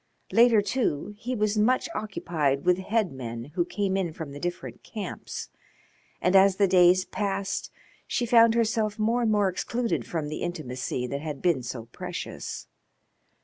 Later, too, he was much occupied with headmen who came in from the different camps, and as the days passed she found herself more and more excluded from the intimacy that had been so precious.